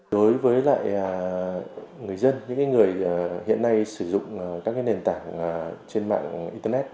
đối với lại người dân những người hiện nay sử dụng các nền tảng trên mạng internet